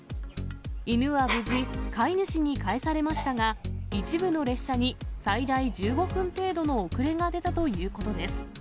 犬は無事、飼い主に返されましたが、一部の列車に最大１５分程度の遅れが出たということです。